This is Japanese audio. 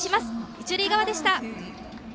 一塁側でした。